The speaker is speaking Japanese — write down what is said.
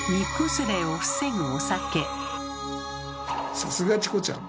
さすがチコちゃん。